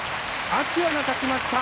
天空海が勝ちました。